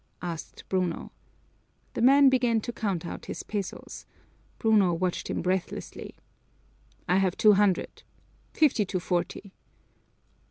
asked Bruno. The man began to count out his pesos. Bruno watched him breathlessly. "I have two hundred. Fifty to forty!"